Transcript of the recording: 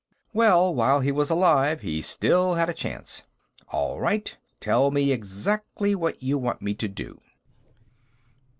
Well, while he was alive, he still had a chance. "All right; tell me exactly what you want me to do."